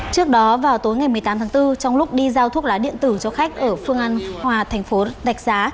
trước đó vào tối ngày một mươi tám tháng bốn trong lúc đi giao thuốc lá điện tử cho khách ở phương an hòa tp rạch giá